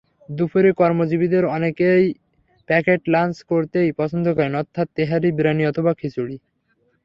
দুপুরে কর্মজীবীদের অনেকেই packet lunch করতেই পছন্দ করেন, অর্থাৎ তেহারি, বিরিয়ানি অথবা খিচুড়ি।